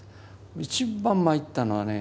一番まいったのはね